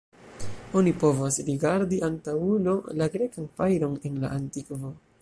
Oni povas rigardi antaŭulo la grekan fajron en la Antikvo.